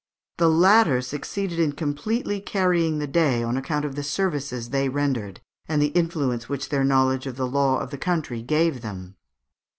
The latter succeeded in completely carrying the day on account of the services they rendered, and the influence which their knowledge of the laws of the country gave them.